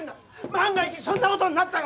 万が一そんなことになったら！